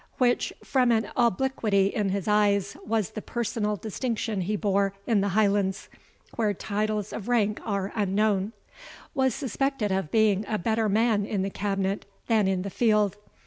] (which, from an obliquity in his eyes, was the personal distinction he bore in the Highlands, where titles of rank are unknown) was suspected of being a better man in the cabinet than in the field.